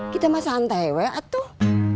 kita mah santai weh atuh